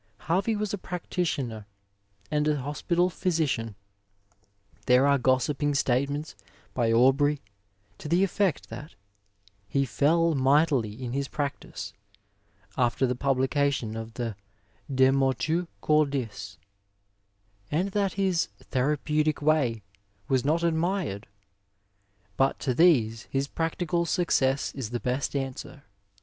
Harvey was a practi tioner and a hospital physician. There are gossiping statements by Aubrey to the efiect that " he fell mightily in his practice " after the publication of the De motu cordU^ and that his " therapeutic way " was not admired ; but to these his practical success is the best answer.